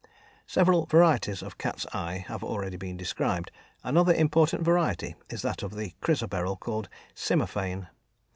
Several varieties of cat's eye have already been described. Another important variety is that of the chrysoberyl called "cymophane."